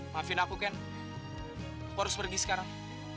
maafin aku kan aku harus pergi sekarang